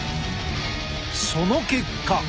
その結果。